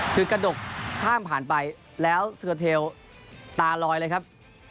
คือกระดกข้ามผ่านไปแล้วเซอร์เทลตาลอยเลยครับ